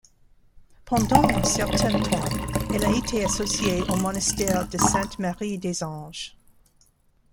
Pendant un certain temps, elle a été associée au monastère de Sainte-Marie des Anges.